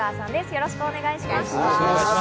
よろしくお願いします。